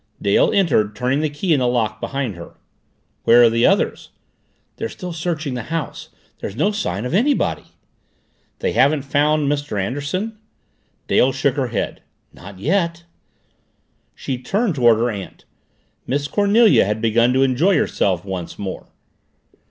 Dale entered, turning the key in the lock behind her. "Where are the others?" "They're still searching the house. There's no sign of anybody." "They haven't found Mr. Anderson?" Dale shook her head. "Not yet." She turned toward her aunt. Miss Cornelia had begun to enjoy herself once more.